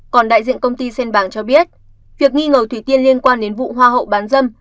còn đại diện công ty sen bàng cho biết việc nghi ngờ thủy tiên liên quan đến vụ hoa hậu bán dâm